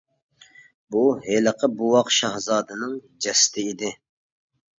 بۇ ھېلىقى بوۋاق شاھزادىنىڭ جەسىتى ئىدى.